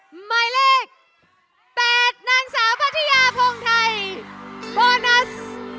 หมายเลข๘นางสาวพัทยาพงไทยโบนัส